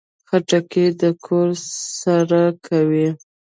خټکی د کور سړه کوي.